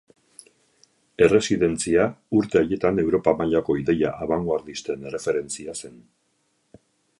Erresidentzia urte haietan Europa mailako ideia abangoardisten erreferentzia zen.